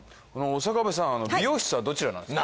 刑部さん美容室はどちらですか？